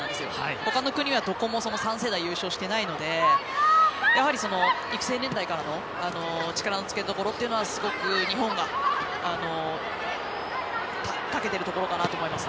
ほかの国はどこも３世代優勝してないのでやはり育成年代からの力の付けどころはすごく、日本がたけているところかなと思います。